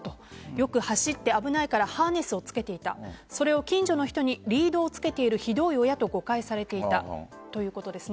よく走って危ないからハーネスをつけていたそれを近所の人にリードをつけているひどい親と誤解されていたということです。